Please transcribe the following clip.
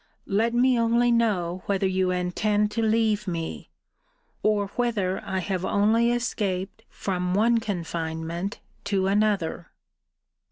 ] let me only know whether you intend to leave me; or whether I have only escaped from one confinement to another?